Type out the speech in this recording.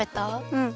うん。